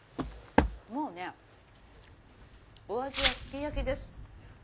もうねお味はすき焼きです。